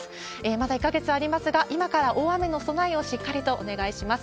まだ１か月ありますが、今から大雨の備えをしっかりとお願いします。